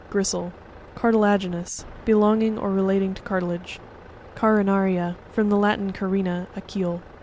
—Gristle, CartiLa'ainous.— Belonging or re lating to cartilage. Carina'r14.—F rom the Latin, carina, a keel.